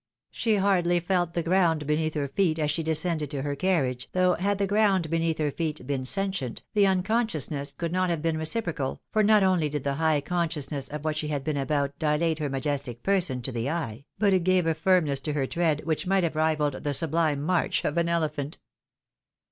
She hardly felt the ground be neath her feet as she descended to her carriage, though had the ground beneath her feet been sentient, the unconsciousness could not have been reciprocal, for not only did the high consciousness of what she had been about dilate her majestic person to the eye, but it gave a firmness to her tread which might have rivalled the sublime march of an elephant.